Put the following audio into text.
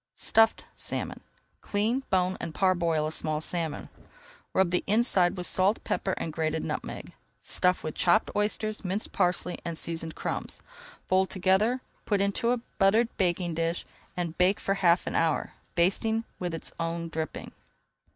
STUFFED SALMON Clean, bone, and parboil a small salmon. Rub the inside with salt, pepper, and grated nutmeg. Stuff with chopped oysters, minced parsley, and seasoned crumbs. Fold together, put into a buttered baking dish, and bake for half an hour, basting with its own dripping.